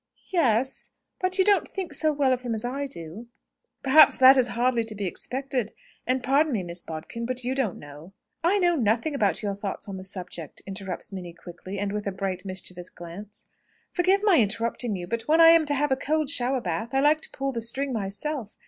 "Y yes; but you don't think so well of him as I do." "Perhaps that is hardly to be expected! And pardon me, Miss Bodkin, but you don't know " "I know nothing about your thoughts on the subject!" interrupts Minnie quickly, and with a bright, mischievous glance. "Forgive my interrupting you; but when I am to have a cold shower bath, I like to pull the string myself.